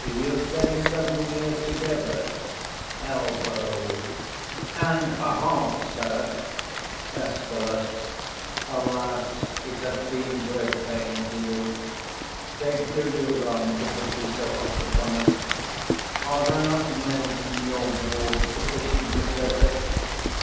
You say, seven years together? Elb. And a half, sir. Escal. Alas, it hath been great pains to you. They do you wrong to put you so oft upon't: are there not men in your ward sufficient to serve it?